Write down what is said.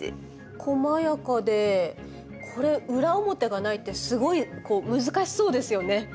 こまやかでこれ裏表がないってすごいこう難しそうですよね。